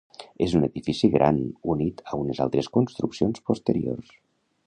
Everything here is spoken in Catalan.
És un edifici gran unit a unes altres construccions posteriors.